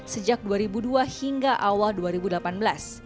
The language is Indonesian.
sejak dua ribu dua hingga awal dua ribu delapan belas